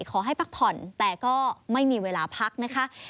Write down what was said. พักผ่อนแต่ก็ไม่มีเวลาพักนะคะ